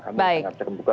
kami sangat terbuka